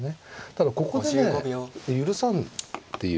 ただここでね許さんっていう。